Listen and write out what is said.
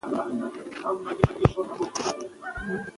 تحقیق کول زده کړئ.